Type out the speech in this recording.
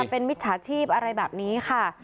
เป็นมิจฉาชีพอะไรแบบนี้ค่ะ